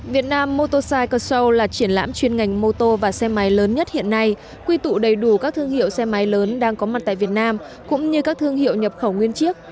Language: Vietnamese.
việt nam motosai cashow là triển lãm chuyên ngành mô tô và xe máy lớn nhất hiện nay quy tụ đầy đủ các thương hiệu xe máy lớn đang có mặt tại việt nam cũng như các thương hiệu nhập khẩu nguyên chiếc